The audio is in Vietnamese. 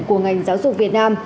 của ngành giáo dục việt nam